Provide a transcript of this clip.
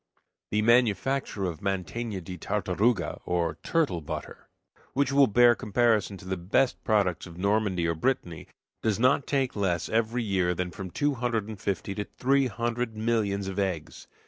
The manufacture of "manteigna de tartaruga," or turtle butter, which will bear comparison with the best products of Normandy or Brittany, does not take less every year that from two hundred and fifty to three hundred millions of eggs.